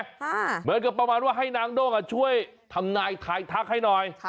เหมือนก็ประมาณว่าให้นางดงช่วยทำหน้าอีกทักให้หน่อย